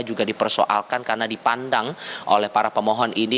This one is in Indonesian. juga dipersoalkan karena dipandang oleh para pemohon ini